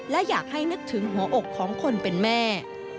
และอยากให้นึกถึงหัวอกของคนเป็นแม่